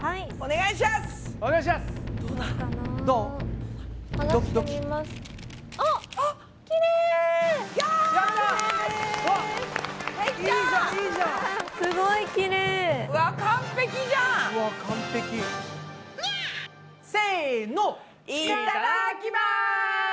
いただきます！